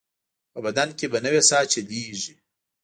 په بدن کې به نوې ساه چلېږي.